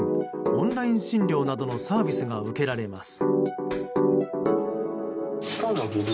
オンライン診療などのサービスが受けられます。